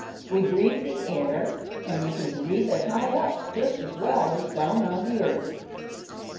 We breathe the air, an' we can breathe it high up, just as well as down on the earth."